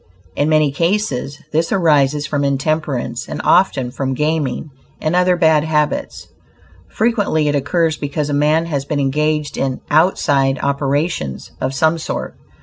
In many cases, this arises from intemperance, and often from gaming, and other bad habits. Frequently it occurs because a man has been engaged in "outside operations," of some sort.